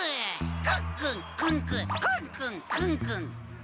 クンクンクンクンクンクンクンクン。